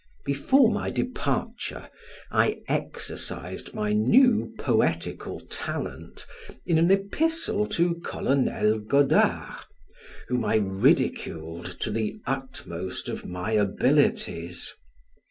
Before my departure, I exercised my new poetical talent in an epistle to Colonel Godard, whom I ridiculed to the utmost of my abilities.